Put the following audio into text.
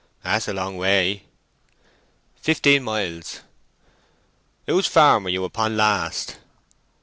"That's a long way. "Fifteen miles." "Who's farm were you upon last?"